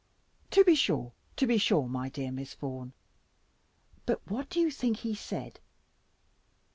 "To be sure, to be sure, my dear Miss Vaughan; but what do you think he said?